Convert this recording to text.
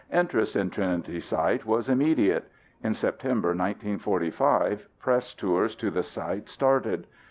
Interest in Trinity Site was immediate. In September 1945 press tours to the site started.